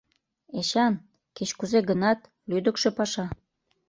Эчан, кеч-кузе гынат, лӱдыкшӧ паша...